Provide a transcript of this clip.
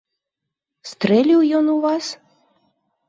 Стрэліў ён у вас?